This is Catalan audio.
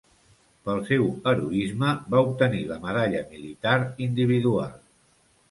Pel seu heroisme, va obtenir la Medalla Militar Individual.